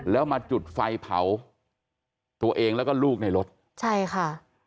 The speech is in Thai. แล้วมาจุดไฟเผาตัวเองแล้วก็ลูกในรถใช่ค่ะ